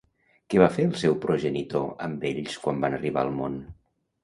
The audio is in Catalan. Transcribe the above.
Què va fer el seu progenitor amb ells quan van arribar al món?